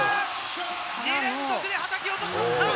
２連続ではたき落としました。